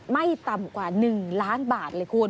ไม่ต่ำกว่า๑ล้านบาทเลยคุณ